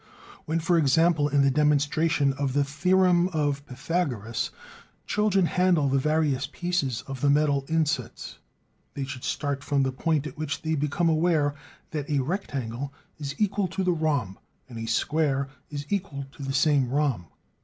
When, for example, in the demonstration of the theorem of Pythagoras, children handle the various pieces of the metal insets, they should start from the point at which they become aware that a rectangle is equal to the rhomb, and a square is equal to the same rhomb.